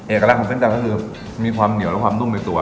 เอกลักษณ์ของเส้นดำก็คือมีความเหนียวและความนุ่มในตัว